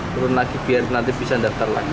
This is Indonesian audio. turun lagi biar nanti bisa daftar lagi